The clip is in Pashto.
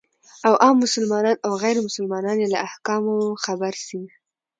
او عام مسلمانان او غير مسلمانان يې له احکامو خبر سي،